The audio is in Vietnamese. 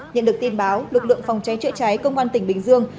nhận được tin báo lực lượng phòng cháy chữa cháy công an tỉnh bình dương